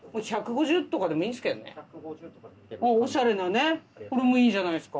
オシャレなねこれもいいじゃないですか。